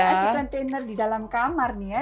kasih kontainer di dalam kamar nih ya